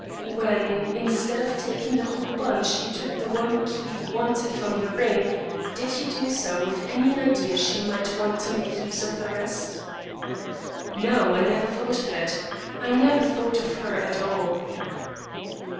"When, instead of taking the whole bunch, you took the one key you wanted from the ring, did you do so with any idea she might want to make use of the rest?" "No, I never thought of it. I never thought of her at all."